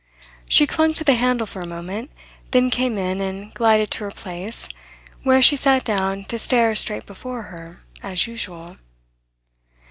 She clung to the handle for a moment, then came in and glided to her place, where she sat down to stare straight before her, as usual.